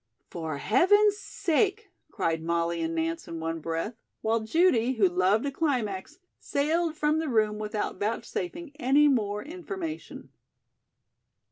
"For heaven's sake!" cried Molly and Nance in one breath, while Judy, who loved a climax, sailed from the room without vouchsafing any more information.